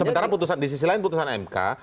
sementara putusan di sisi lain putusan mk